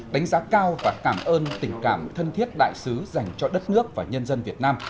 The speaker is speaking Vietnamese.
đánh giá cao và cảm ơn tình cảm thân thiết đại sứ dành cho đất nước và nhân dân việt nam